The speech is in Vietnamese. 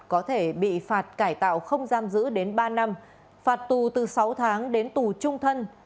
có thể bị phạt cải tạo không giam giữ đến ba năm phạt tù từ sáu tháng đến tù trung thân